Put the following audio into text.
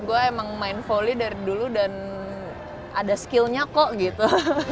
gue emang main volley dari dulu dan ada skillnya kok gitu